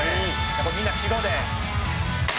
「やっぱみんな白で」